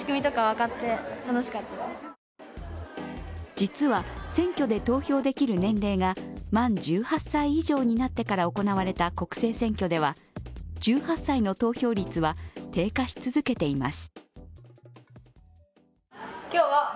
実は選挙で投票できる年齢が満１８歳以上になってから行われた国政選挙では１８歳の投票率は低下し続けています。